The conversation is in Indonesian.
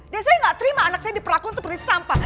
dan saya enggak terima anak saya diperlakukan seperti sampah